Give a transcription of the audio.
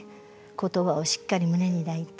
言葉をしっかり胸に抱いて。